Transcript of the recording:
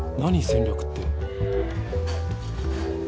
戦略って。